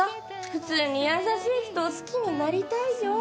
普通に優しい人を好きになりたいよ